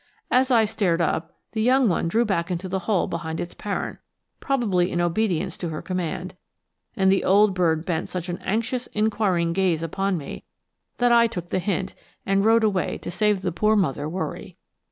As I stared up, the young one drew back into the hole behind its parent, probably in obedience to her command; and the old bird bent such an anxious inquiring gaze upon me that I took the hint and rode away to save the poor mother worry.